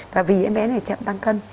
và vì em bé này chậm tăng cân